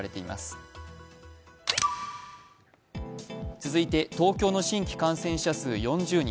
続いて、東京の新規感染者４０人。